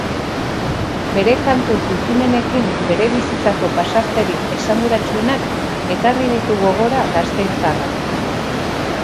Bere kantu kuttunenekin, bere bizitzako pasarterik esanguratsuenak ekarri ditu gogora gasteiztarrak.